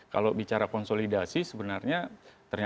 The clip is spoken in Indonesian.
kalau bicara konsolidasi sebenarnya ternyata